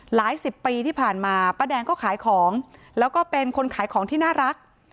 สิบปีที่ผ่านมาป้าแดงก็ขายของแล้วก็เป็นคนขายของที่น่ารัก